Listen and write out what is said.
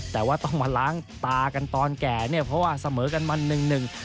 แต่ว่าต้องมาล้างตากันตอนแก่เนี่ยเพราะว่าเสมอกันมาหนึ่งหนึ่ง